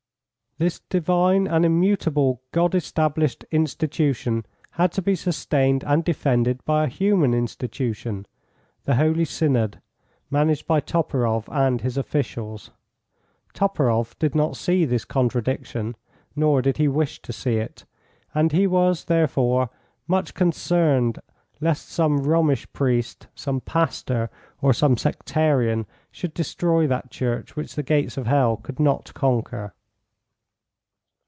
This divine and immutable God established institution had to be sustained and defended by a human institution the Holy Synod, managed by Toporoff and his officials. Toporoff did not see this contradiction, nor did he wish to see it, and he was therefore much concerned lest some Romish priest, some pastor, or some sectarian should destroy that Church which the gates of hell could not conquer.